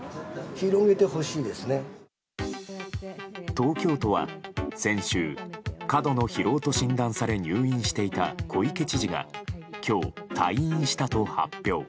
東京都は先週、過度の疲労と診断され入院していた小池知事が今日、退院したと発表。